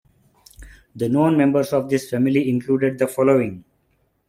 The known members of this family included the following.